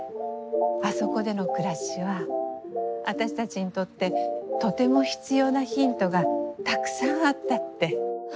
あそこでの暮らしは私たちにとってとても必要なヒントがたくさんあったって。